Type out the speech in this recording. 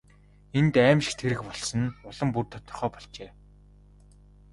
Энд аймшигт хэрэг болсон нь улам бүр тодорхой болжээ.